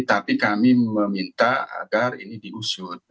tapi kami meminta agar ini diusut